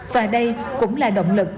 và đây cũng là động lực